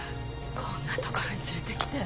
こんな所に連れてきて。